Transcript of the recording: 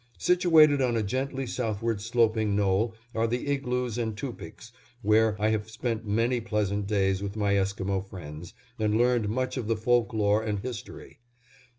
Situated on a gently southward sloping knoll are the igloos and tupiks, where I have spent many pleasant days with my Esquimo friends and learned much of the folk lore and history.